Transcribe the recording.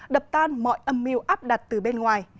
đập tan mọi âm mưu áp đặt từ bên ngoài